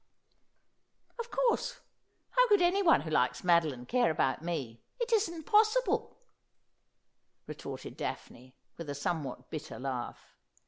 ' Of course. How could anyone who likes Madoline care about me ? It isn't possible,' retorted Daphne, with a somewhat bitter laugh.